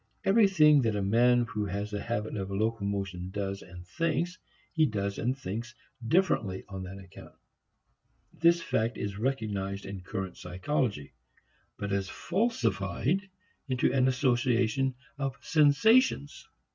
Everything that a man who has the habit of locomotion does and thinks he does and thinks differently on that account. This fact is recognized in current psychology, but is falsified into an association of sensations.